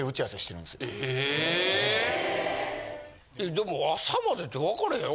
でも朝までって分からへんやろ？